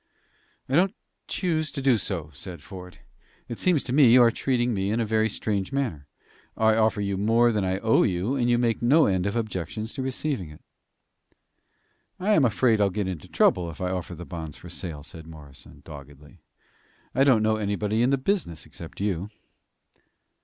"I don't choose to do so," said Ford. "It seems to me you are treating me in a very strange manner. I offer you more than I owe you, and you make no end of objections to receiving it." "I am afraid I'll get into trouble if I offer the bonds for sale," said Morrison, doggedly. "I don't know anybody in the business except you."